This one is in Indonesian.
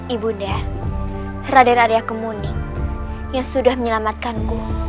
ibu nda raden arya kemuning yang sudah menyelamatkan ku